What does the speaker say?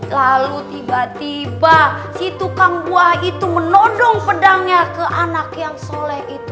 lalu tiba tiba si tukang buah itu menodong pedangnya ke anak yang soleh itu